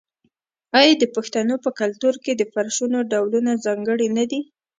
آیا د پښتنو په کلتور کې د فرشونو ډولونه ځانګړي نه دي؟